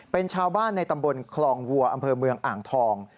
เป็นชาวบ้านในตำบลคลองวัวอำเภอเมืองอ่างทอง